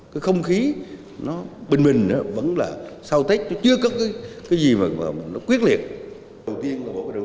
cái không khí nó bình minh nữa vẫn là